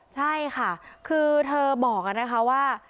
ใช่ค่ะคือบอกจากนะค่ะว่า